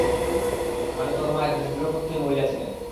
মানে তোর মা একজন দৃঢ়প্রত্যয়ি মহিলা ছিলেন।